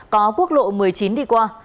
có quốc lộ một mươi chín đi qua